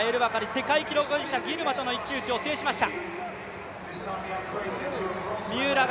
世界記録保持者、ギルマとの一騎打ちを制しました。